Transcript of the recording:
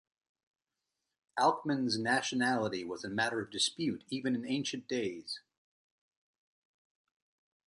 Alcman's nationality was a matter of dispute even in ancient days.